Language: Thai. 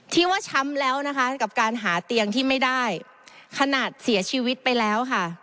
ที่ว่าช้ำแล้วนะคะกับการหาเตียงที่ไม่ได้ขนาดเสียชีวิตไปแล้วค่ะ